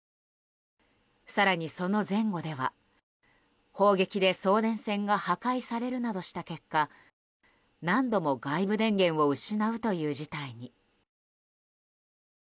更に、その前後では砲撃で送電線が破壊されるなどした結果何度も外部電源を失うという事態に。